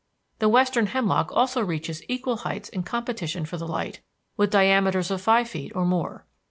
The western hemlock also reaches equal heights in competition for the light, with diameters of five feet or more.